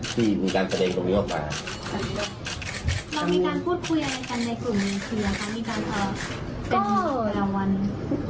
ที่มีการแสดงตรงนี้มากกว่าแล้วมีการพูดคุยอะไรกันในกลุ่มนี้คือ